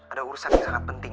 ada urusan yang sangat penting